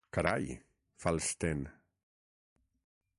Carai! —fa l'Sten.